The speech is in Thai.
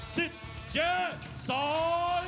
สนุนโดย